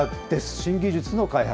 新技術の開発。